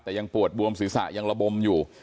แต่ยังปวดบวมศีรษะยังระบมอยู่